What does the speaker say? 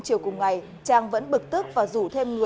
xin chào các bạn